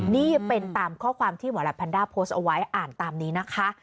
นี่เป็นตามข้อความที่หมอแหลปแนนด้าโพสต์เอาไว้อ่านตามนี้นะคะ